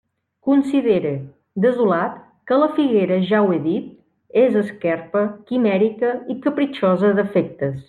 Considere, desolat, que la figuera, ja ho he dit, és esquerpa, quimèrica i capritxosa d'afectes.